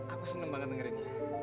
aku senang banget dengerinnya